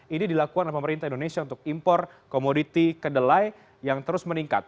ini dilakukan oleh pemerintah indonesia untuk impor komoditi kedelai yang terus meningkat